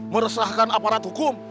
meresahkan aparat hukum